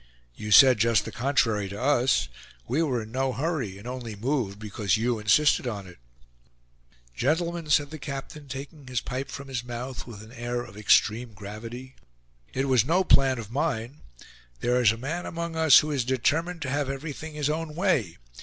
"You said just the contrary to us. We were in no hurry, and only moved because you insisted on it." "Gentlemen," said the captain, taking his pipe from his mouth with an air of extreme gravity, "it was no plan of mine. There is a man among us who is determined to have everything his own way.